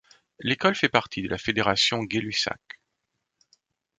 L’école fait partie de la fédération Gay-Lussac.